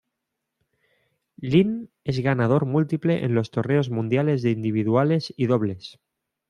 Lin es ganador múltiple en los torneos mundiales de individuales y dobles.